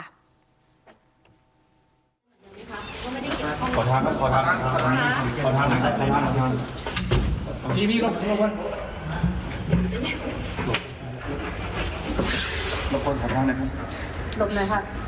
รบหน่อยค่ะ